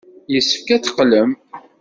Yessefk ad teqqlem.